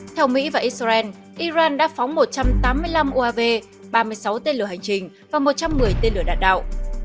theo mỹ và israel iran đã phóng một trăm tám mươi năm uav ba mươi sáu tên lửa hành trình và một trăm một mươi tên lửa đạn đạo